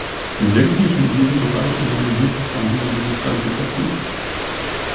Sämtliche in diesem Bereich analysierten Zahlen belegen zwei Situationen.